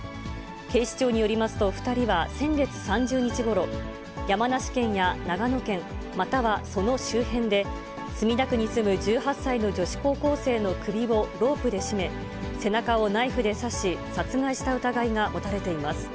警視庁によりますと、２人は先月３０日ごろ、山梨県や長野県、またはその周辺で、墨田区に住む１８歳の女子高校生の首をロープで絞め、背中をナイフで刺し、殺害した疑いが持たれています。